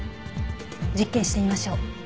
実験してみましょう。